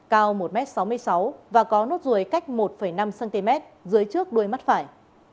cao một m sáu mươi sáu và có nốt ruồi cách một năm cm dưới trước đuôi mắt phải